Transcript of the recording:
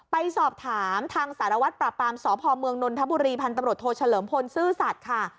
ไปสอบถามทางสารวัตรปราบปรามสพเมืองนนทบุรีพันธุ์ตำรวจโทเฉลิมพลซื่อสัตว์ค่ะ